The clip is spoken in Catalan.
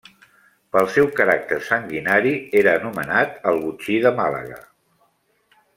Pel seu caràcter sanguinari era nomenat el botxí de Màlaga.